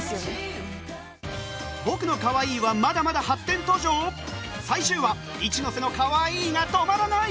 『僕の可愛いはまだまだ発展途上！？』最終話一ノ瀬のかわいいが止まらない！